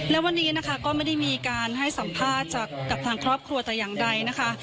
และวันนี้นะคะก็ไม่ได้มีการให้สัมภาษณ์จากกับทางครอบครัวแต่อย่างใดนะคะ